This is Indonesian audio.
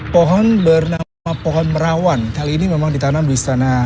pohon bernama pohon merawan kali ini memang ditanam di istana